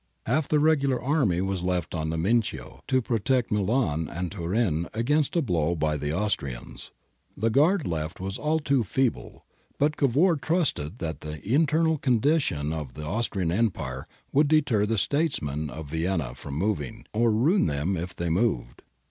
Half the regular army was left on the Mincio, to protect Milan and Turin against a blow by the Austrians. The guard left was all too feeble, but Cavour trusted that the ' internal condition of the Austrian Empire ' would deter the statesmen of Vienna from moving, or would ruin them if they moved.